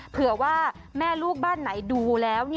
เผื่อว่าแม่ลูกบ้านไหนดูแล้ว